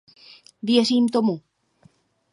Věřím tomu.